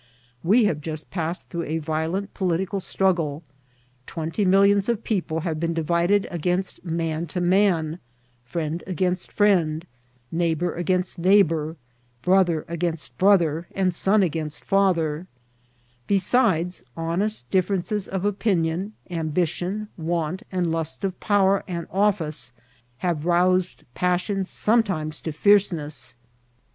We have jiist passed through a violent political struggle ; twenty millions of people have been divided almost man to man, friend against firiend, neighbour against neighbour, brother against brother, and son against father ; besides honest differences of opinion, ambition, want, and lust of power and office have roused passions sometimes to fierceness.